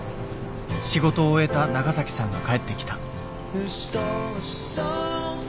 仕事を終えたナガサキさんが帰ってきた。